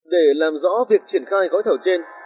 để làm rõ việc triển khai gói thảo trên